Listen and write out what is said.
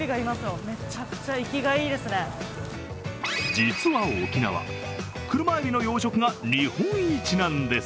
実は沖縄、車えびの養殖が日本一なんです。